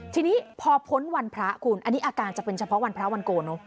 ทีนี้พอพ้นวันพระคุณอันนี้อาการจะเป็นเฉพาะวันพระวันโกเนอะ